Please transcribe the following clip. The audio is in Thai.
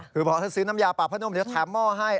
คือบอกว่าถ้าซื้อน้ำยาปรับผ้านุ่มจะแถมหม้อให้